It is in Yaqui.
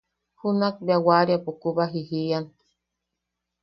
Junakbea wariapo kubaji jian.